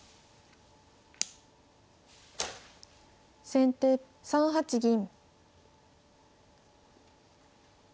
先手３八銀。